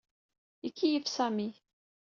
Ikeyyef Sami.